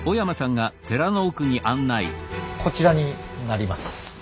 こちらになります。